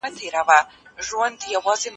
پرته له زده کړې پرمختګ کول ناممکن دي.